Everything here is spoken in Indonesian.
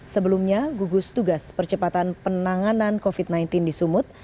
sebelumnya gugus tugas percepatan penanganan covid sembilan belas di sumut